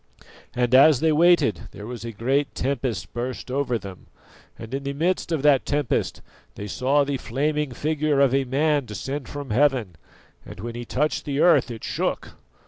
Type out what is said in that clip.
And as they waited there a great tempest burst over them, and in the midst of that tempest they saw the flaming figure of a man descend from heaven, and when he touched the earth it shook.